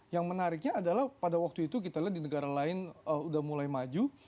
yang menariknya adalah pada waktu itu kita lihat di negara lain sudah mulai maju